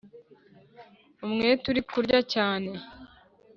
umwete uri kurya cyane